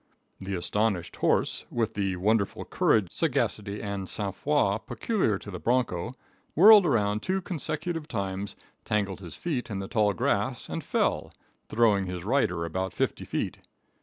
The astonished horse, with the wonderful courage, sagacity and sang froid peculiar to the broncho, whirled around two consecutive times, tangled his feet in the tall grass and fell, throwing his rider about fifty feet.